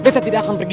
betta tidak akan pergi